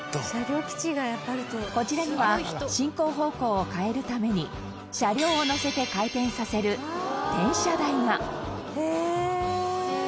こちらには進行方向を変えるために車両を載せて回転させる転車台が羽田：へえー！